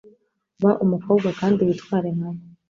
Ba umukobwa kandi witware nkabo